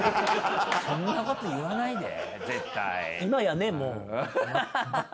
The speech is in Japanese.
そんなこと言わないで絶対。